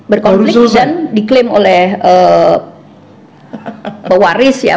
berkonflik dan diklaim oleh pewaris ya